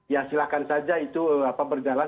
ya silahkan saja itu berjalan